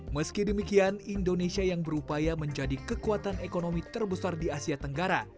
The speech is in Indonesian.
meski demikian indonesia yang berupaya menjadi kekuatan ekonomi terbesar di asia tenggara